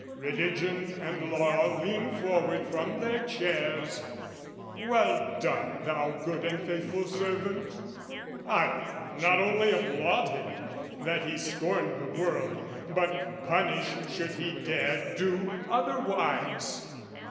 Religion and Law lean forward from their chairs, "Well done, thou good and faithful servant!" Ay, Not only applaud him that he scorned the world, But punish should he dare do otherwise.